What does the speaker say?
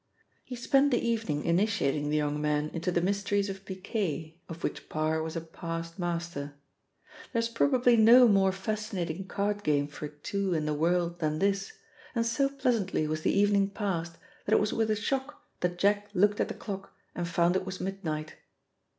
He spent the evening initiating the young man into the mysteries of picquet, of which Parr was a past master. There is probably no more fascinating card game for two in the world than this, and so pleasantly was the evening passed, that it was with a shock that Jack looked at the clock and found it was midnight.